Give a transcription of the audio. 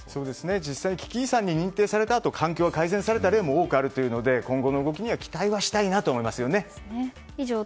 実際危機遺産に認定されたあと環境が改善された例も多くあるというので今後の動きに期待したいなと思います。